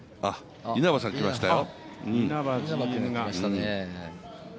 稲葉さんが行きましたよ。